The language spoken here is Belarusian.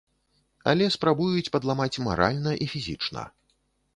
Але спрабуюць падламаць маральна і фізічна.